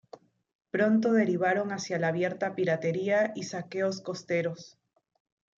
Pronto derivaron hacia la abierta piratería y saqueos costeros.